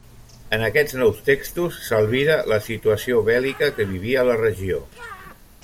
En aquests nous textos s'albira la situació bèl·lica que vivia la regió.